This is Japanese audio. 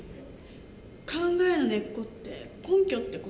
考えの根っこって根拠って事？